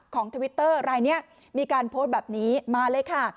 ทวิตเตอร์รายนี้มีการโพสต์แบบนี้มาเลยค่ะ